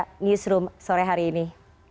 sampai jumpa di newsroom sore hari ini